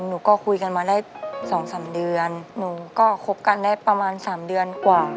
หนูก็คุยกันมาได้สองสามเดือนหนูก็คบกันได้ประมาณ๓เดือนกว่า